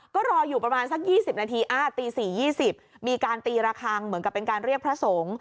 ก็รออยู่ประมาณสัก๒๐นาทีตี๔๒๐มีการตีระคังเหมือนกับเป็นการเรียกพระสงฆ์